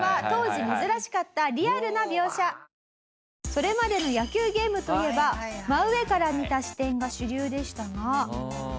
それまでの野球ゲームといえば真上から見た視点が主流でしたが。